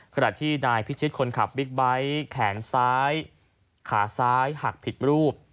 ขณะที่นายพิชิตคนขับบิ๊กไบท์แขนซ้ายขาซ้ายหักผิดรูป